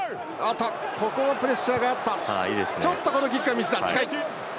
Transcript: ここはプレッシャーがあったがキックはミスだ。